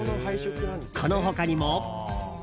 この他にも。